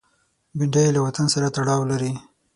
بېنډۍ له وطن سره تړاو لري